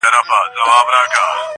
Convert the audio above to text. • نوي غوټۍ به له منګولو د ملیاره څارې -